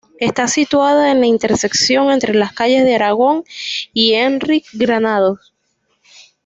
Está situada en la intersección entre las calles de Aragón y Enric Granados.